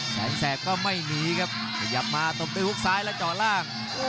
แสนแสบก็ไม่หนีครับขยับมาตบด้วยฮุกซ้ายและเจาะล่าง